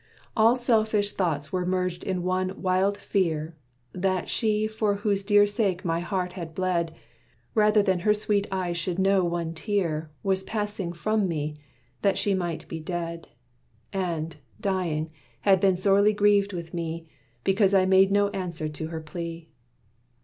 All selfish thoughts were merged in one wild fear That she for whose dear sake my heart had bled, Rather than her sweet eyes should know one tear, Was passing from me; that she might be dead; And, dying, had been sorely grieved with me, Because I made no answer to her plea.